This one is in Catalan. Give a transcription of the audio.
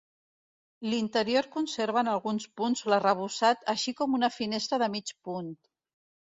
L'interior conserva en alguns punts l'arrebossat així com una finestra de mig punt.